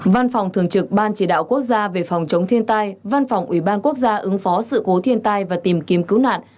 văn phòng thường trực ban chỉ đạo quốc gia về phòng chống thiên tai văn phòng ủy ban quốc gia ứng phó sự cố thiên tai và tìm kiếm cứu nạn